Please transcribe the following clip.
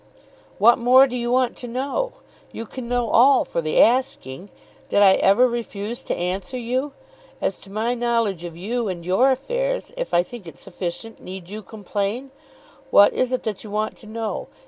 "What more do you want to know? You can know all for the asking. Did I ever refuse to answer you? As to my knowledge of you and your affairs, if I think it sufficient, need you complain? What is it that you want to know?